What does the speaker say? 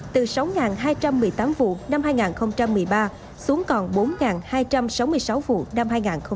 từ sáu hai trăm một mươi tám vụ năm hai nghìn một mươi ba xuống còn bốn hai trăm sáu mươi sáu vụ năm hai nghìn một mươi bảy